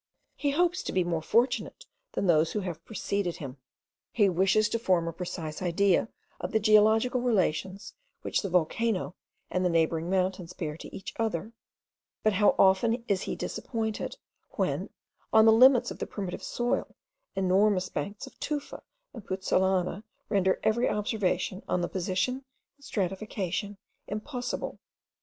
He hopes to be more fortunate than those who have preceded him; he wishes to form a precise idea of the geological relations which the volcano and the neighbouring mountains bear to each other: but how often is he disappointed, when, on the limits of the primitive soil, enormous banks of tufa and puzzolana render every observation on the position and stratification impossible!